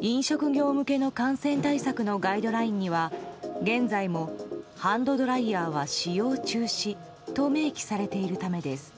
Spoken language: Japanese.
飲食業向けの感染対策のガイドラインには現在もハンドドライヤーは使用中止と明記されているためです。